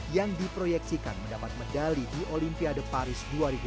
yang diproyeksikan mendapat medali di olympia de paris dua ribu dua puluh empat